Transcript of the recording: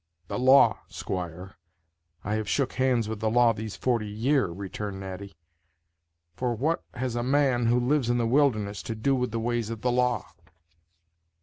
"The law, squire! I have shook hands with the law these forty year," returned Natty; "for what has a man who lives in the wilderness to do with the ways of the law?"